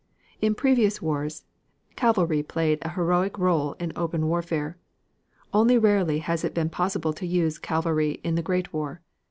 In previous wars, cavalry played a heroic role in open warfare; only rarely has it been possible to use cavalry in the Great War.